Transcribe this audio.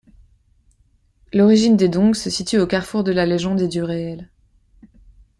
L'origine des Dong se situe au carrefour de la légende et du réel.